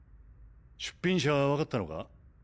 出品者は分かったのか？